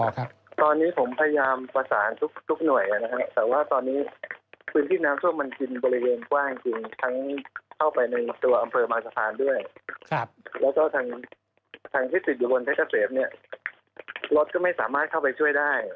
ครับตอนนี้ผมพยายามประสานทุกทุกหน่วยนะฮะแต่ว่าตอนนี้พื้นที่น้ำท่วมมันกินบริเวณกว้างจริงทั้งเข้าไปในตัวอำเภอบางสะพานด้วยครับแล้วก็ทางทางที่ติดอยู่บนเพชรเกษมเนี่ยรถก็ไม่สามารถเข้าไปช่วยได้